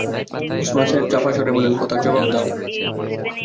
ওসমান সাহেব চাপা স্বরে বললেন, কথার জবাব দাও।